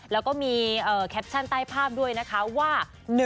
แล้วก็มีแคปชั่นใต้ภาพด้วยนะคะว่า